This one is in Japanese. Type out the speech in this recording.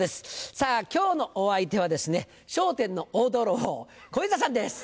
さぁ今日のお相手はですね『笑点』の大泥棒小遊三さんです。